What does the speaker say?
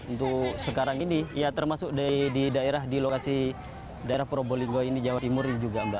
untuk sekarang ini ya termasuk di daerah di lokasi daerah probolinggo ini jawa timur juga mbak